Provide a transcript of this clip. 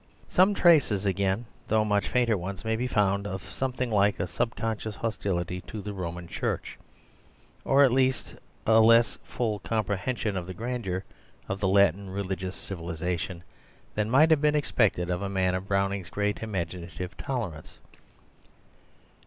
Some traces again, though much fainter ones, may be found of something like a subconscious hostility to the Roman Church, or at least a less full comprehension of the grandeur of the Latin religious civilisation than might have been expected of a man of Browning's great imaginative tolerance.